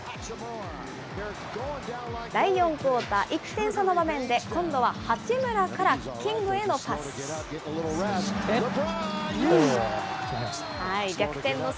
第４クオーター、１点差の場面で、今度は八村からキングへのパス。